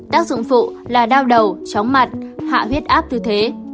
tác dụng phụ là đau đầu chóng mặt hạ huyết áp tư thế